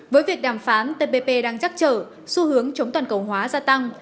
với việc đàm phán tpp đang chắc trở xu hướng chống toàn cầu hóa gia tăng